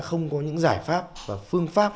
không có những giải pháp và phương pháp